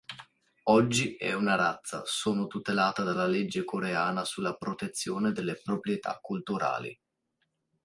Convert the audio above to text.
Oggi è una razza sono tutelata dalla legge coreana sulla protezione delle proprietà culturali.